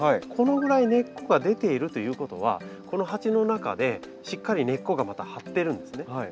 このぐらい根っこが出ているということはこの鉢の中でしっかり根っこがまた張ってるんですね。